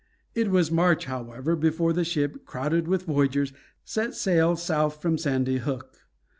It was March, however, before the ship, crowded with voyagers, set sail south from Sandy Hook.